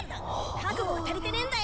覚悟が足りてねーんだよ！